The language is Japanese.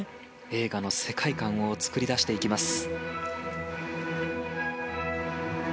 映画の世界観を作り出していきます。